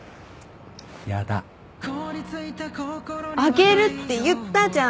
あげるって言ったじゃん！